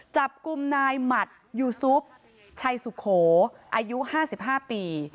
จับกลุ่มนายหมัดยูซุปชัยสุโขอายุ๕๕ปี